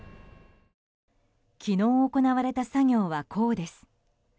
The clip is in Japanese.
昨日行われた作業はこうです。